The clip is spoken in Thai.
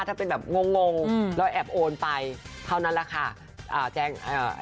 ทำเป็นแบบงงแล้วแอบโอนไปเท่านั้นแหละค่ะ